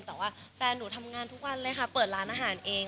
แต่ว่าแฟนหนูทำงานทุกวันเลยค่ะเปิดร้านอาหารเอง